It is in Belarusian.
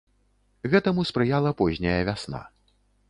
Гэтаму спрыяла позняя вясна.